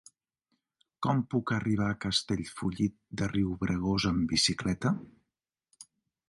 Com puc arribar a Castellfollit de Riubregós amb bicicleta?